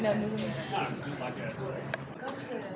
ini adalah satu dari kelas terbaik dari kami